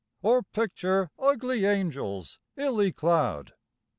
Or picture ugly angels, illy clad?